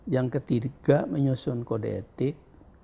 yang ketiga menyusun kode etik